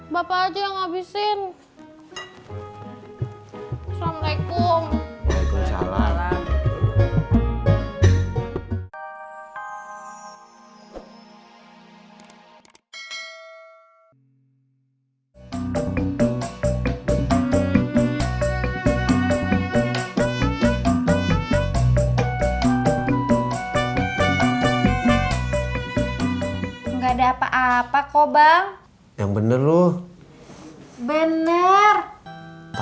sampai jumpa di video selanjutnya